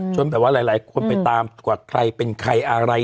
แบบว่าหลายคนไปตามกว่าใครเป็นใครอะไร